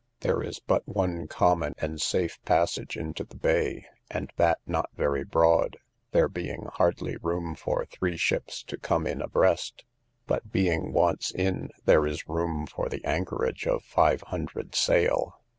There is but one common and safe passage into the bay, and that not very broad, there being hardly room for three ships to come in abreast; but, being once in, there is room for the anchorage of five hundred sail.